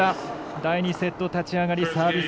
第２セット、立ち上がりサービス